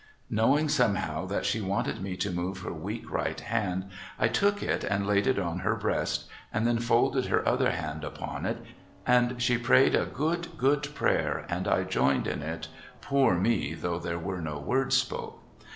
Knowing somehow that she wanted me to move her weak right hand, I took it and laid it on her breast and then folded her other hand upon it, and she prayed a good good prayer and I joined in it poor me though there were no words spoke.